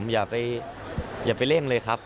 อย่าไปเร่งเลยครับ